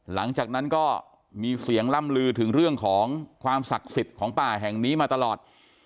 หลังจากนั้นก็มีเสียงล่ำลือถึงเรื่องของความศักดิ์สิทธิ์ของป่าแห่งนี้มาตลอด